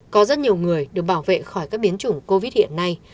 có rất nhiều người được bảo vệ khỏi các biến chủng covid hiện nay